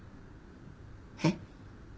えっ？